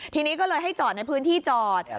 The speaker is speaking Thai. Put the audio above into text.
ทีนี้ก็เลยให้จอดในพื้นที่จอด